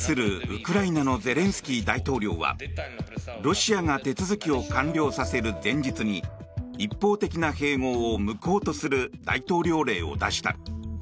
ウクライナのゼレンスキー大統領はロシアが手続きを完了させる前日に一方的な併合を無効とする大統領令を出した。